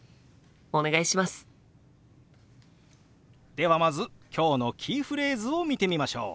ではまず今日のキーフレーズを見てみましょう。